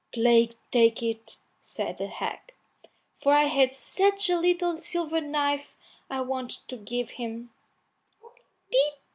"Plague take it," said the hag, "for I had such a nice little silver knife I wanted to give him."